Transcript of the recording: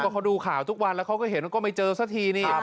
ก็ดูข่าวทุกวันแล้วก็เห็นก็ไม่เจอซะทีนี่